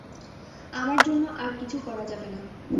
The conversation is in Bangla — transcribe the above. আমার জন্য আর কিছু করা যাবে না।